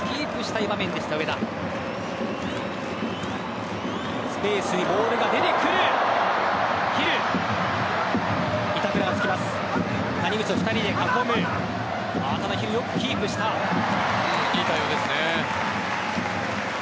いい対応ですね。